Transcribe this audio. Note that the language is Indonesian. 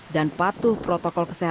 dan patuh protokol keseluruhan